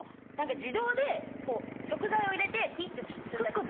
何か自動で食材を入れてピッてする。